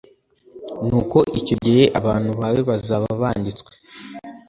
nuko icyo gihe abantu bawe bazaba banditswe